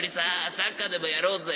サッカーでもやろうぜ」